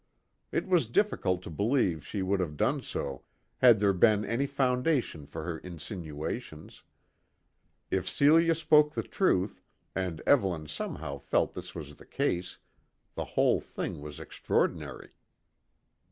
It was difficult to believe she would have done so had there been any foundation for her insinuations. If Celia spoke the truth, and Evelyn somehow felt this was the case, the whole thing was extraordinary.